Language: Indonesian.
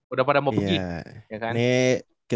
udah pada mau pergi